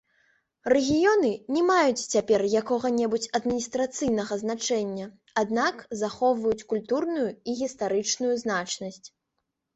Рэгіёны не маюць цяпер якога-небудзь адміністрацыйнага значэння, аднак захоўваюць культурную і гістарычную значнасць.